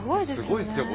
すごいっすよ。